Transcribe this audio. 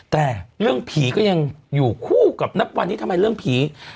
แต่เรื่องผีก็ยังอยู่คู่กับนับวันนี้ทำไมเรื่องผี